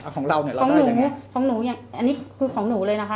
ของเราเนี่ยของหนูของหนูอย่างอันนี้คือของหนูเลยนะคะ